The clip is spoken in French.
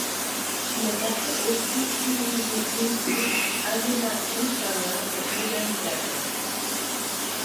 Il est appelé aussi Isuzu Impulse, Asüna Sunfire et Holden Piazza.